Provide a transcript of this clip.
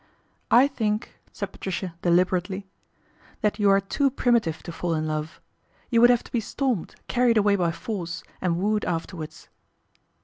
I think," said Patricia deliberately, " that are too primitive to fall in love. You would to be stormed, carried away by force, and wooed afterwards."